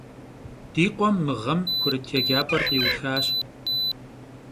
Di khuem mığem kurıt yêcap'er khiuxaş.